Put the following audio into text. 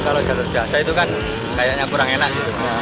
kalau jalur biasa itu kan kayaknya kurang enak gitu